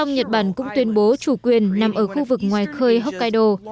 nhật bản cũng tuyên bố chủ quyền nằm ở khu vực ngoài khơi hokkaido